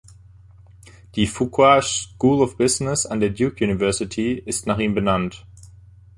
Die Fuqua School of Business an der Duke University ist nach ihm benannt.